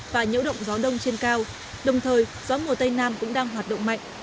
và nhiễu động gió đông trên cao đồng thời gió mùa tây nam cũng đang hoạt động mạnh